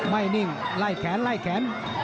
ไม่นิ่งไล่แขน